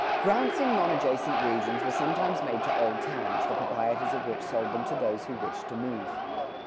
[76:1] Grants in non adjacent regions were sometimes made to old towns, the proprietors of which sold them to those who wished to move.